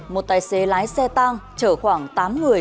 một tài xế lái xe tang chở khoảng tám người